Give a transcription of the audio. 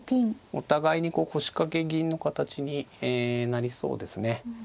お互いに腰掛け銀の形になりそうですね。